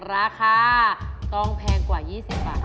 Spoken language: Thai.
ราคาต้องแพงกว่า๒๐บาท